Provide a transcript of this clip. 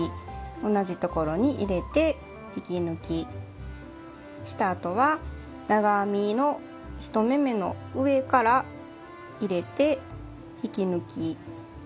同じところに入れて引き抜きしたあとは長編みの１目めの上から入れて引き抜き。